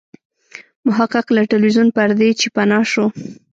محقق له ټلویزیون پردې چې پناه شو.